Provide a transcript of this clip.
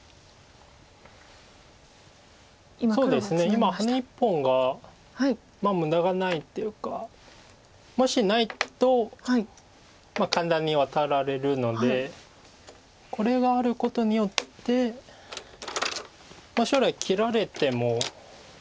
今ハネ１本が無駄がないというか。もしないと簡単にワタられるのでこれがあることによって将来切られても。